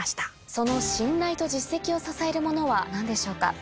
その信頼と実績を支えるものは何でしょうか？